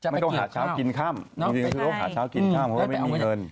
ไม่ต้องหาข้าวกินข้ามจริงคือหาข้าวกินข้ามเพราะไม่มีเงิน